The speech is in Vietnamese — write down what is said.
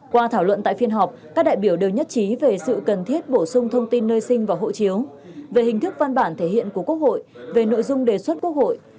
qua thảo luận tại phiên họp các đại biểu đều nhất trí về sự cần thiết bổ sung thông tin nơi sinh và hộ chiếu về hình thức văn bản thể hiện của quốc hội về nội dung đề xuất quốc hội